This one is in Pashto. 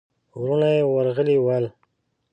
وروڼه يې ورغلي ول.